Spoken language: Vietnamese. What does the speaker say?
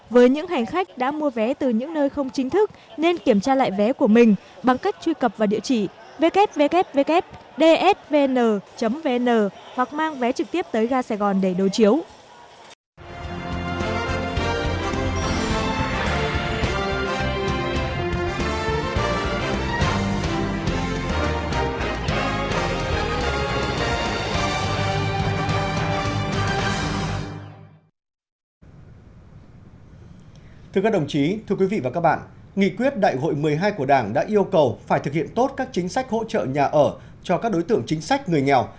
với những hành khách đã mua vé từ những nơi không chính thức nên kiểm tra lại vé của mình bằng cách truy cập vào địa chỉ www dsvn vn hoặc mang vé trực tiếp tới ga sài gòn để đối chiếu